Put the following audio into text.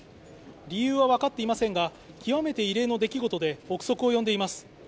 理由は分かっていませんが、極めて異例の出来事で憶測を呼んでいます。